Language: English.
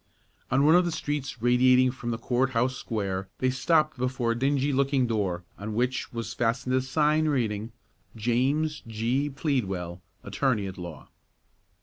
On one of the streets radiating from the court house square, they stopped before a dingy looking door on which was fastened a sign reading: "James G. Pleadwell, Attorney at Law."